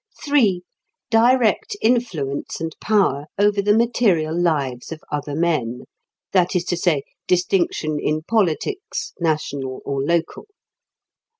(3) Direct influence and power over the material lives of other men; that is to say, distinction in politics, national or local.